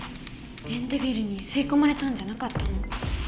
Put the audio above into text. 電デビルにすいこまれたんじゃなかったの？